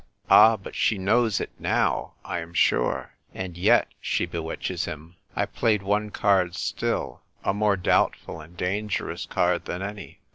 "Ah, but she knows it now, I am sure; and yet, she bewitches him !" I played one card still, a more doubtful and dangerous card than an}'.